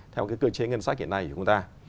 theo cái cơ chế ngân sách hiện nay của chúng ta